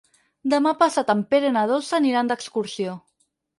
Demà passat en Pere i na Dolça aniran d'excursió.